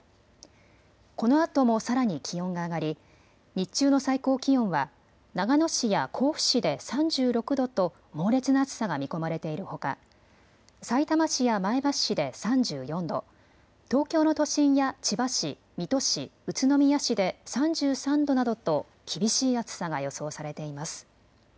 このあともさらに気温が上がり日中の最高気温は長野市や甲府市で３６度と猛烈な暑さが見込まれているほかさいたま市や前橋市で３４度、東京の都心や千葉市、水戸市、宇都宮市で３３度などと厳しい暑さが予想されています。